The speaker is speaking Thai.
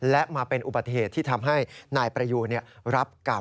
และมาเป็นอุบัติเหตุที่ทำให้นายประยูนรับกรรม